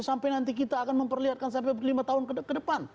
sampai nanti kita akan memperlihatkan sampai lima tahun ke depan